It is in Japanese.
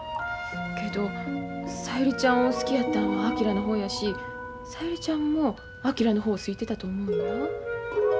けど小百合ちゃんを好きやったんは昭の方やし小百合ちゃんも昭の方を好いてたと思うんや。